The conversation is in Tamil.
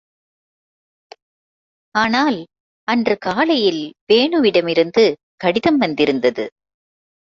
ஆனால், அன்று காலையில் வேணுவிடமிருந்து கடிதம் வந்திருந்தது.